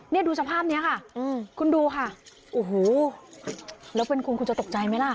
นี่ดูสภาพนี้ค่ะคุณดูค่ะโอ้โหแล้วเป็นคุณคุณจะตกใจไหมล่ะ